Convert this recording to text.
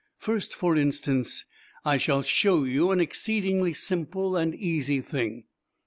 First, for instance, I shall show you an exceedingly simple and easy thing.